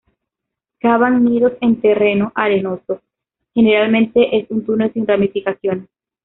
Cavan nidos en terreno arenoso, generalmente es un túnel sin ramificaciones.